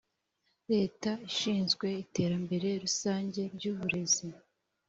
Leta ishinzwe iterambere rusange ry uburezi